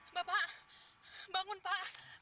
bapak bangun pak